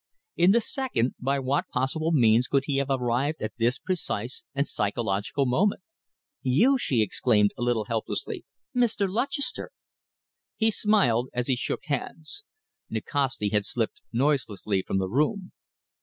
In the second, by what possible means could he have arrived at this precise and psychological moment? "You!" she exclaimed, a little helplessly. "Mr. Lutchester!" He smiled as he shook hands. Nikasti had slipped noiselessly from the room.